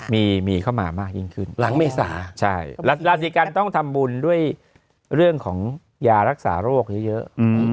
มีเข้ามามากยิ่งขึ้นหลังเมษาราศีกันต้องทำบุญด้วยเรื่องของยารักษาโรคเยอะ